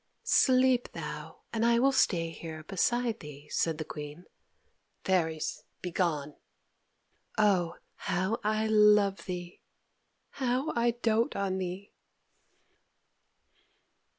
"Sleep thou, and I will stay here beside thee," said the Queen. "Fairies, begone! Oh, how I love thee! how I doat on thee!"